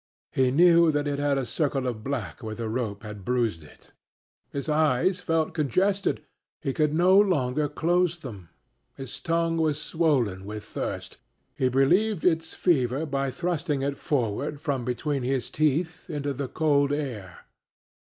He knew that it had a circle of black where the rope had bruised it. His eyes felt congested; he could no longer close them. His tongue was swollen with thirst; he relieved its fever by thrusting it forward from between his teeth into the cold air.